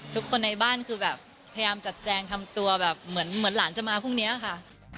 ทุกคนในบ้านคือแบบพยายามจัดแจงทำตัวแบบเหมือนหลานจะมาพรุ่งนี้ค่ะ